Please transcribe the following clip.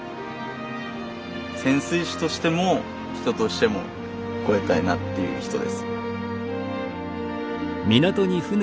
潜水士としても人としても超えたいなっていう人です。